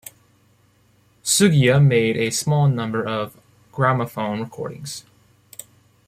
Suggia made a small number of gramophone recordings.